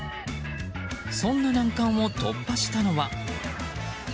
そんな難関を突破したのは。